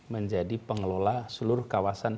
menjadi pengelola seluruh kawasan